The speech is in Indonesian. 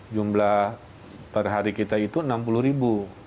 jumlah per hari kita itu enam puluh ribu